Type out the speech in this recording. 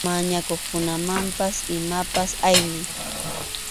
Mañakuqkunamanpas imapas ayniy.